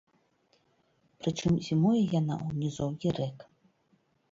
Прычым зімуе яна ў нізоўі рэк.